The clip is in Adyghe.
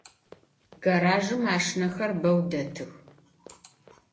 Garajjım maşşinexer beu detıx.